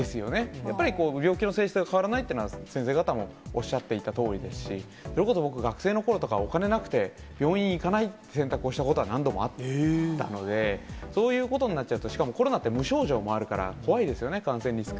やっぱり病気の性質が変わらないというのは、先生方もおっしゃっていたとおりですし、それこそ僕、学生のころとか、お金なくて、病院行かないという選択をしたことは何度もあったので、そういうことになっちゃうと、しかもコロナって無症状もあるから、怖いですよね、感染リスク。